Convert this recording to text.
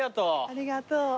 ありがとう。